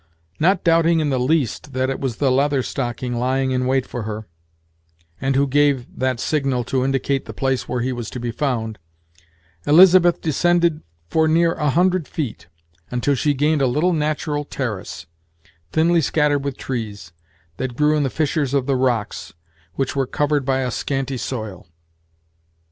Not doubting in the least that it was the Leather Stocking lying in wait for her, and who gave that signal to indicate the place where he was to be found, Elizabeth descended for near a hundred feet, until she gained a little natural terrace, thinly scattered with trees, that grew in the fissures of the rocks, which were covered by a scanty soil.